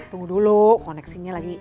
tunggu dulu koneksinya lagi